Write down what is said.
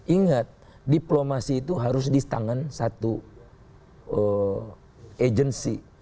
ingat diplomasi itu harus di tangan satu agency